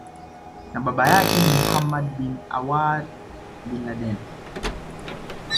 na baba yake ni Mohammad bin Awad bin Laden